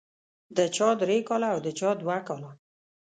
د چا درې کاله او د چا دوه کاله.